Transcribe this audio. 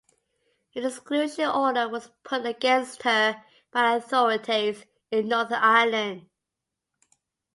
An exclusion order was put against her by the authorities in Northern Ireland.